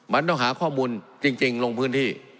มันต้องหาข้อมูลจริงลงพื้นที่